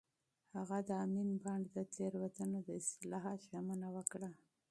هغه د امین بانډ د تېروتنو د اصلاح ژمنه وکړه.